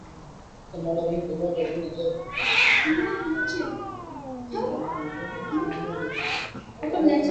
auti yake barrack obama rais wa marekani